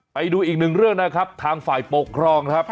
ไปดูอีกหนึ่งเรื่องนะครับทางฝ่ายปกครองนะครับ